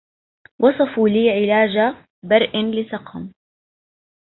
وصفوا لي علاج برء لسقم